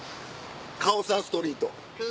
カオサンストリート。